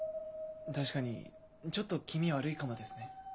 確かにちょっと気味悪いかもですね。